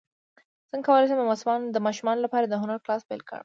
څنګه کولی شم د ماشومانو لپاره د هنر کلاس پیل کړم